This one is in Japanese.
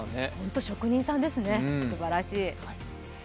本当に職人さんですねすばらしい。